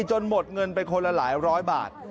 จนหมดเงินไปคนละหลายร้อยบาท